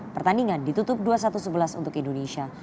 pertandingan ditutup dua satu sebelas untuk indonesia